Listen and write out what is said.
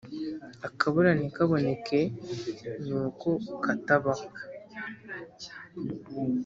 • akabura ntikaboneke nuko katabaho